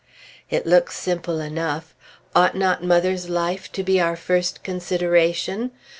It looks simple enough. Ought not mother's life to be our first consideration?